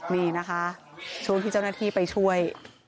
นี่นะคะช่วงที่เจ้าหน้าที่ไปช่วย